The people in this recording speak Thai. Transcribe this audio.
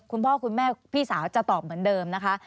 คุณพ่อคุณแม่พี่สาวจะตอบเหมือนเดิมนะคะ